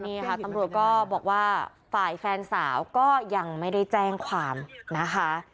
นี่ค่ะตำรวจก็บอกว่าฝ่ายแฟนสาวก็ยังไม่ได้แจ้งความนะคะ